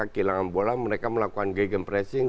bilangan bola mereka melakukan gegen pressing